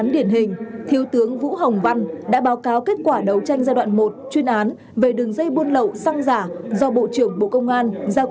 tình hình an ninh trật tự trên địa bàn tỉnh đã có nhiều hình biến tích cực